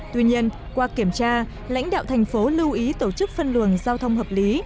tuy nhiên qua kiểm tra lãnh đạo thành phố lưu ý tổ chức phân luồng giao thông hợp lý